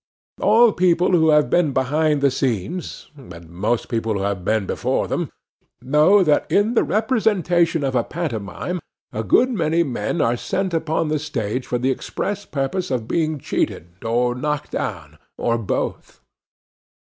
All people who have been behind the scenes, and most people who have been before them, know, that in the representation of a pantomime, a good many men are sent upon the stage for the express purpose of being cheated, or knocked down, or both.